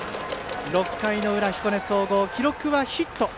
６回裏、彦根総合記録はヒット。